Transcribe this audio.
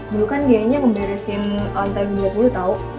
dulu kan dia yang ngeberesin lantai dua puluh tau